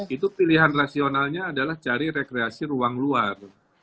itu pilihan rasionalnya adalah cari rekreasi ruang luar